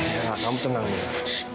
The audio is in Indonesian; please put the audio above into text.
ya allah kamu tenang mila